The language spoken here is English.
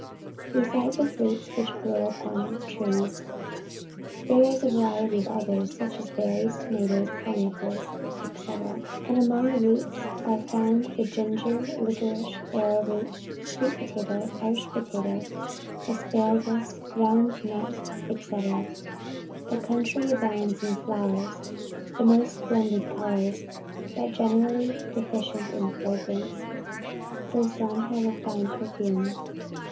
Besides the fruits which grow upon trees, there is a variety of others such as berries, tomatoes, pineapples, &c. and among roots are found the ginger, licorice, arrow root, sweet potatoe, Irish potatoe, asparagus, ground nut, &c. The country abounds in flowers of most splendid colors, but generally deficient in fragrance; though some have a fine perfume.